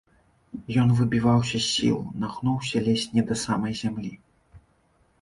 Ён выбіваўся з сіл, нагнуўся ледзь не да самай зямлі.